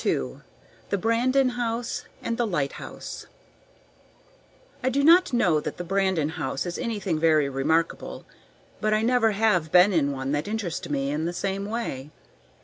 The Brandon House and the Lighthouse I do not know that the Brandon house is really very remarkable, but I never have been in one that interested me in the same way.